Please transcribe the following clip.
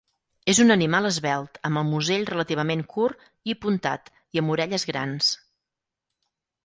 És un animal esvelt amb el musell relativament curt i puntat i amb orelles grans.